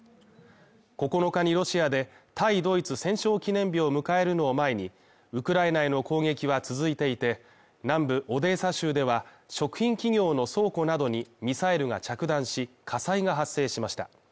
９日にロシアで対ドイツ戦勝記念日を迎えるのを前にウクライナへの攻撃は続いていて、南部オデーサ州では、食品企業の倉庫などにミサイルが着弾し、火災が発生しました。